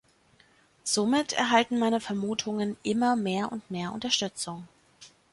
Somit erhalten meine Vermutungen immer mehr und mehr Unterstützung.